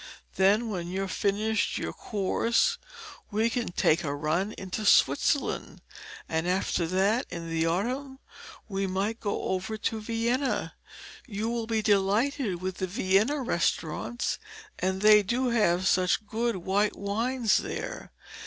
Then, when you have finished your course, we can take a run into Switzerland; and after that, in the autumn, we might go over to Vienna you will be delighted with the Vienna restaurants, and they do have such good white wines there.